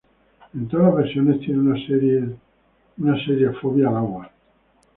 En todas las versiones, tiene una seria fobia al agua.